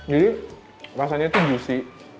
jadi rasanya itu juicy